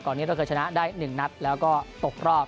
ก่อนนี้เราเกิดชนะได้๑นัดแล้วก็ตกรอบ